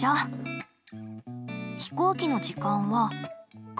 飛行機の時間は９時。